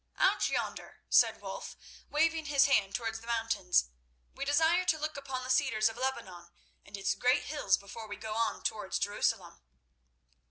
"Out yonder," said Wulf, waving his hand towards the mountains. "We desire to look upon the cedars of Lebanon and its great hills before we go on towards Jerusalem."